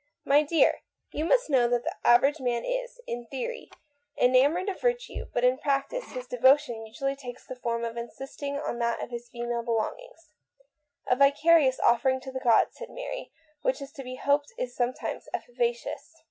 "My dear, you must know that the aver age man is, in theory, enamoured of virtue, but in practice his devotion usually takes the form of insisting on that of his female belongings " "A vicarious offering to the gods," said Mary, " which it is to be hoped is sometimes efficacious